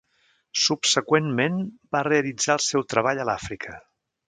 Subseqüentment, va realitzar el seu treball a l'Àfrica.